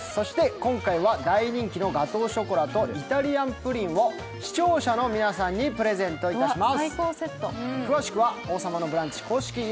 今回は大人気のガトーショコラとイタリアンプリンを視聴者の皆さんにプレゼントいたします。